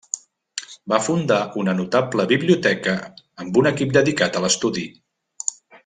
Va fundar una notable biblioteca amb un equip dedicat a l'estudi.